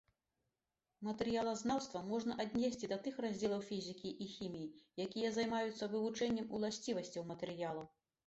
Матэрыялазнаўства можна аднесці да тых раздзелах фізікі і хіміі, якія займаюцца вывучэннем уласцівасцяў матэрыялаў.